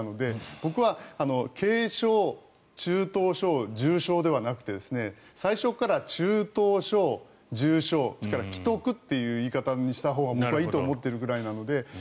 僕は軽症、中等症重症ではなくて最初から中等症、重症危篤という言い方にしたほうが僕はいいと思っているぐらいなので。